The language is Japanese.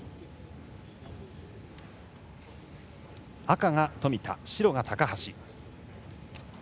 赤が冨田、白が高橋。